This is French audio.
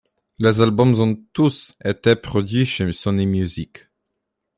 Les albums ont tous été produit chez Sony Music.